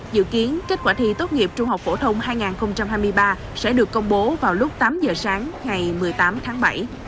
dự kiến kết quả thi tốt nghiệp trung học phổ thông hai nghìn hai mươi ba sẽ được công bố vào lúc tám giờ sáng ngày một mươi tám tháng bảy